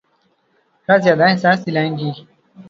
کا زیادہ احساس دلائیں گی۔